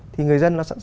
thì người dân